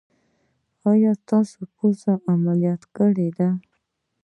ایا پوزه مو عملیات کړې ده؟